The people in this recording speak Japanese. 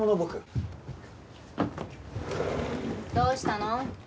どうしたの？